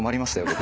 僕。